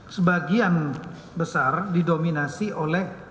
sebagian besar didominasi oleh